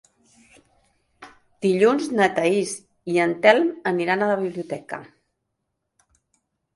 Dilluns na Thaís i en Telm aniran a la biblioteca.